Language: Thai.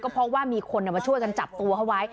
เพราะว่ามีคนมาช่วยจัดการทั้งตัวเข้าไว้